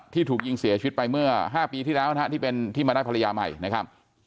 ถูกยิงเสียชีวิตไปเมื่อ๕ปีที่แล้วนะฮะที่เป็นที่มาได้ภรรยาใหม่นะครับ